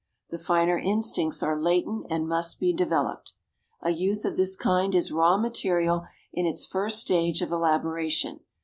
The finer instincts are latent and must be developed. A youth of this kind is raw material in its first stage of elaboration.